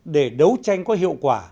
để đấu tranh có hiệu quả